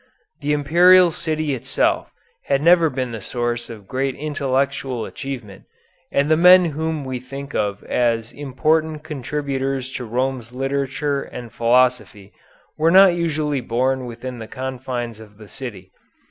The imperial city itself had never been the source of great intellectual achievement, and the men whom we think of as important contributors to Rome's literature and philosophy were usually not born within the confines of the city.